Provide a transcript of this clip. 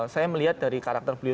saya melihat dari karakter beliau